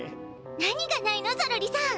何がないのゾロリさん？